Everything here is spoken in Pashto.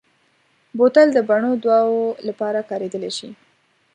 بوتل د بڼو دواوو لپاره کارېدلی شي.